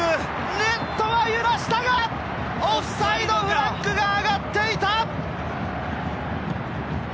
ネットは揺らしたが、オフサイドフラッグが上がっていた！